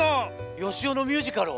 よしおのミュージカルを？